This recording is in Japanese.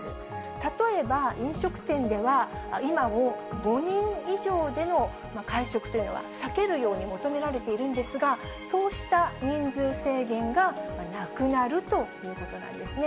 例えば飲食店では、今も５人以上の会食というのは避けるように求められているんですが、そうした人数制限がなくなるということなんですね。